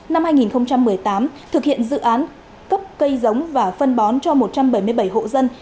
năm hai nghìn một mươi tám thực hiện dự án cấp cây giống và phân bón cho một trăm bảy mươi bảy hộ dân